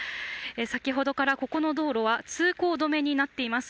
先ほどからここの道路は通行止めになっています。